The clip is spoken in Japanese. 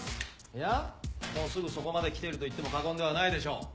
いやもうすぐそこまで来ているといっても過言ではないでしょう。